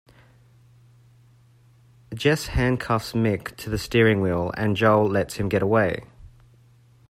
Jesse handcuffs Mick to the steering wheel and Joel lets him get away.